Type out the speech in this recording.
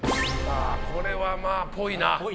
これは、っぽいな。